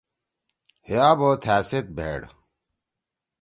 ہے آبو تھا سیت بھیٹ۔